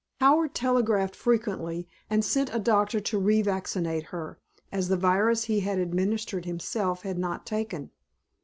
Howard telegraphed frequently and sent a doctor to revaccinate her, as the virus he had administered himself had not taken.